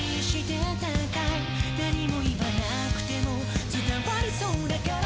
「何も言わなくても伝わりそうだから」